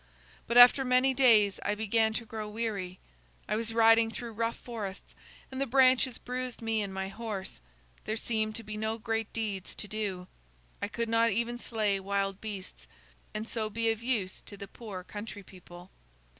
But after many days I began to grow weary. I was riding through rough forests, and the branches bruised me and my horse; there seemed to be no great deeds to do. I could not even slay wild beasts, and so be of use to the poor country people.